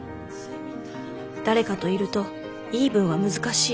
誰かといるとイーブンは難しい。